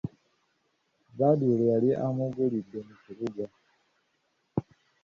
Badru lwe yali amugulidde mu kibuga.